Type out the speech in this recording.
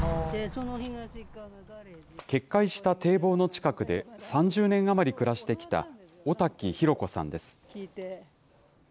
決壊した堤防の近くで３０年余り暮らしてきた小滝浩子さんです。